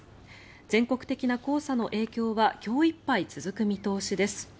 全国的な黄砂の影響は今日いっぱい続く見通しです。